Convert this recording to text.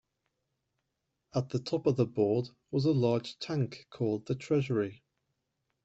At the top of the board was a large tank called the treasury.